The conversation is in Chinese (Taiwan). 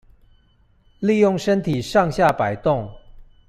利用身體上下矲動